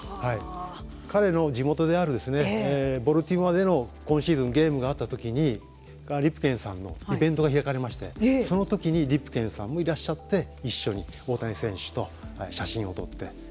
彼の地元であるボルティモアでの今シーズンゲームがあったときにリプケンさんのイベントが開かれましてその時にリプケンさんもいらっしゃって一緒に大谷選手と写真を撮って。